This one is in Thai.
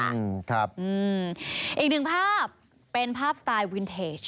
อีกหนึ่งภาพเป็นภาพสไตล์วินเทจ